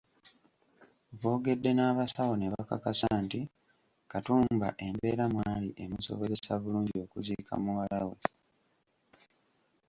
Boogedde n’abasawo ne bakakasa nti Katumba embeera mw’ali emusobozesa bulungi okuziika muwala we.